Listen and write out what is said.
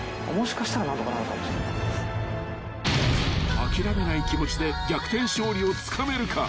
［諦めない気持ちで逆転勝利をつかめるか］